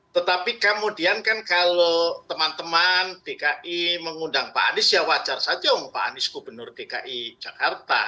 tetapi kemudian kan kalau teman teman dki mengundang pak anies ya wajar saja pak anies gubernur dki jakarta